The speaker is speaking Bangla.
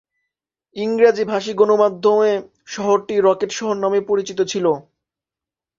ইংরেজিভাষী গণমাধ্যমে শহরটি রকেট শহর নামেও পরিচিত ছিল।